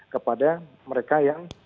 kepada mereka yang